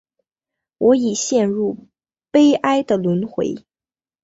我已经陷入悲哀的轮回